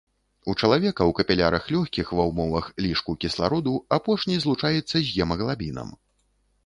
У чалавека ў капілярах лёгкіх ва ўмовах лішку кіслароду апошні злучаецца з гемаглабінам.